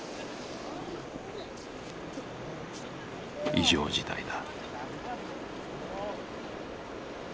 異常事態だ。